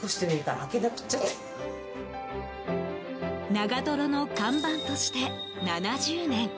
長瀞の看板として、７０年。